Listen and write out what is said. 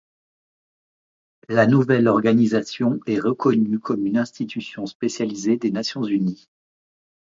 La nouvelle organisation est reconnue comme une institution spécialisée des Nations Unies.